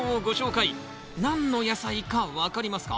何の野菜か分かりますか？